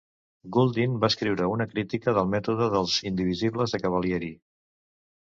Guldin va escriure una crítica del mètode dels indivisibles de Cavalieri.